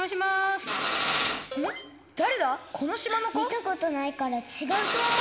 みたことないからちがうとおもう。